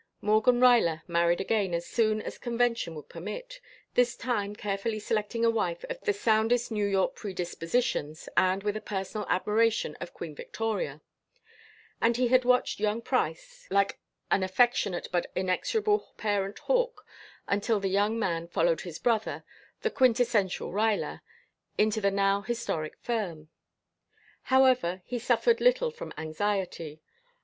Morgan Ruyler married again as soon as convention would permit, this time carefully selecting a wife of the soundest New York predispositions and with a personal admiration of Queen Victoria; and he had watched young Price like an affectionate but inexorable parent hawk until the young man followed his brother a quintessential Ruyler into the now historic firm. However, he suffered little from anxiety.